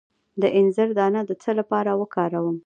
د انځر دانه د څه لپاره وکاروم؟